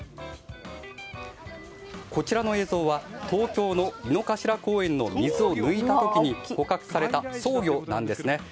こちらの映像は東京の井の頭公園の水を抜いた時に捕獲されたソウギョなんですね。